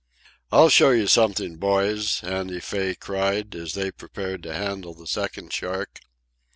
"I'll show you something, boys," Andy Fay cried, as they prepared to handle the second shark.